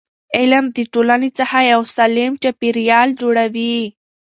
علم د ټولنې څخه یو سالم چاپېریال جوړوي.